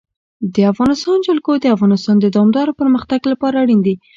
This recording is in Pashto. د افغانستان جلکو د افغانستان د دوامداره پرمختګ لپاره اړین دي.